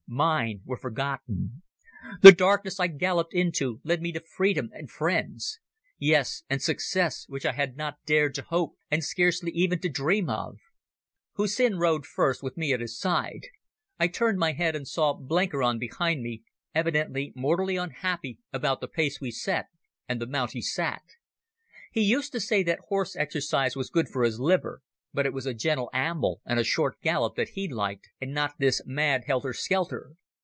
Mine were forgotten. The darkness I galloped into led me to freedom and friends. Yes, and success, which I had not dared to hope and scarcely even to dream of. Hussin rode first, with me at his side. I turned my head and saw Blenkiron behind me, evidently mortally unhappy about the pace we set and the mount he sat. He used to say that horse exercise was good for his liver, but it was a gentle amble and a short gallop that he liked, and not this mad helter skelter.